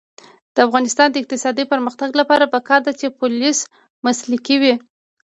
د افغانستان د اقتصادي پرمختګ لپاره پکار ده چې پولیس مسلکي وي.